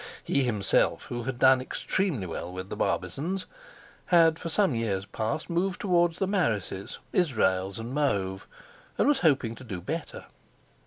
He himself, who had done extremely well with the Barbizons, had for some years past moved towards the Marises, Israels, and Mauve, and was hoping to do better.